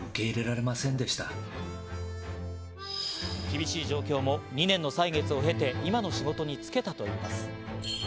厳しい状況も２年の歳月を経て、今の仕事に就けたといいます。